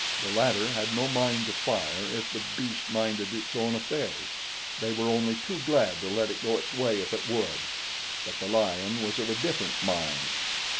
The latter had no mind to fire if the beast minded its own affairs they were only too glad to let it go its way if it would; but the lion was of a different mind.